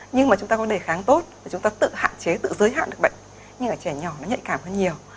nhưng mà chúng ta có đề kháng tốt và chúng ta tự hạn chế tự giới hạn được bệnh nhưng mà trẻ nhỏ nó nhạy cảm hơn nhiều